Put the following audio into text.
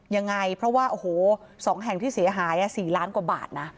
ยังไงเพราะว่าโอ้โห๒แห่งที่เสียหาย๔ล้านกว่าบาทนะ